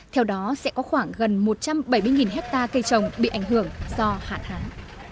theo đó sẽ có khoảng gần một trăm bảy mươi hectare cây trồng bị ảnh hưởng do hạn hán